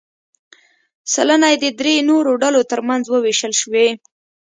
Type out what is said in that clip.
سلنه یې د درې نورو ډلو ترمنځ ووېشل شوې.